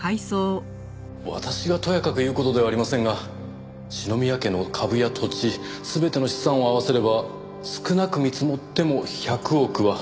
私がとやかく言う事ではありませんが篠宮家の株や土地全ての資産を合わせれば少なく見積もっても１００億は。